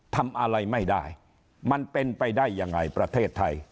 ทำอะไรไม่ได้มันเป็นไปได้ยังไงประเทศไทย